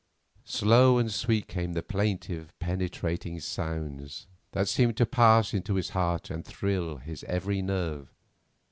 Slow and sweet came the plaintive, penetrating sounds, that seemed to pass into his heart and thrill his every nerve.